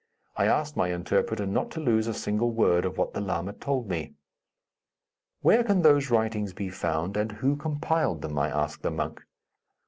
I asked my interpreter not to lose a single word of what the lama told me. "Where can those writings be found, and who compiled them?" I asked the monk.